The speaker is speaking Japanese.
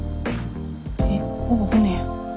えっほぼ骨やん。